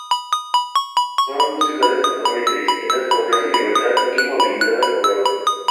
Son dos ciudades totalmente distintas que ofrecen libertad y movilidad al jugador.